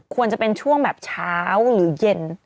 ควรจะเป็นช่วงแบบเช้าหรือเย็น